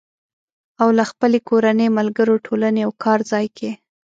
او له خپلې کورنۍ، ملګرو، ټولنې او کار ځای کې